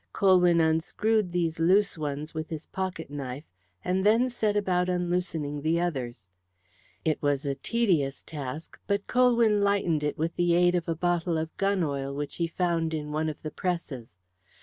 Colwyn unscrewed these loose ones with his pocket knife, and then set about unloosening the others. It was a tedious task, but Colwyn lightened it with the aid of a bottle of gun oil which he found in one of the presses.